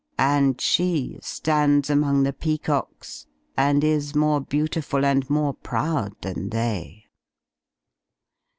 And she stands among the peacocks and is more beautiful and more proud than they."